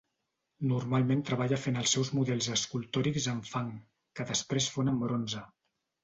Normalment treballa fent els seus models escultòrics en fang, que després fon en bronze.